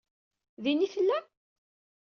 Din i tellam?